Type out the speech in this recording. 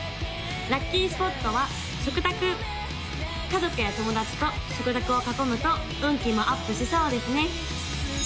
・ラッキースポットは食卓家族や友達と食卓を囲むと運気もアップしそうですね